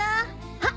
あっ！